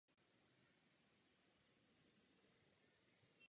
Nyní však potřebujeme něco skutečně udělat.